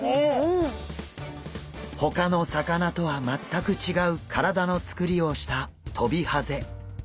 ほかの魚とは全く違う体のつくりをしたトビハゼ。